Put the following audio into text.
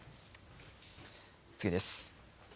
次です。